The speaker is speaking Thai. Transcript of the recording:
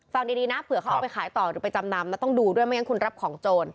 ฟังดีนะเผื่อเขาเอาไปขายต่อหรือไปจำนำต้องดูด้วยไม่งั้นคุณรับของโจร